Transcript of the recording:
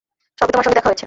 সবে তোমার সঙ্গে দেখা হয়েছে!